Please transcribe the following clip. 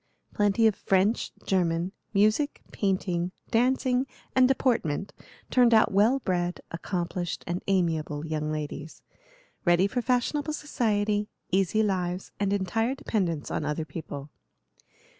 Plenty of French, German, music, painting, dancing, and deportment turned out well bred, accomplished, and amiable young ladies, ready for fashionable society, easy lives, and entire dependence on other people.